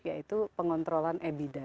yaitu pengontrolan ebida